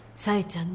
冴ちゃん